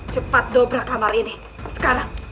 cepat dobrak kamar ini sekarang